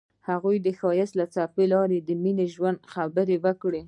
هغوی د ښایسته څپو لاندې د مینې ژورې خبرې وکړې.